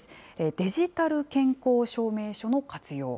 デジタル健康証明書の活用。